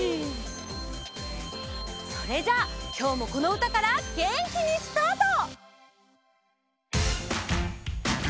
それじゃあきょうもこのうたからげんきにスタート！